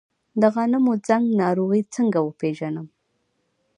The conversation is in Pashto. د غنمو زنګ ناروغي څنګه وپیژنم؟